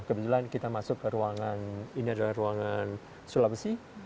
kebetulan kita masuk ke ruangan ini adalah ruangan sulawesi